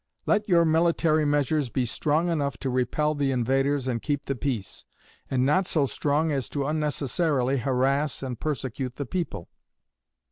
Let your military measures be strong enough to repel the invaders and keep the peace, and not so strong as to unnecessarily harass and persecute the people.